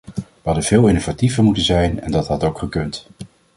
We hadden veel innovatiever moeten zijn en dat had ook gekund.